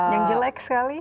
yang jelek sekali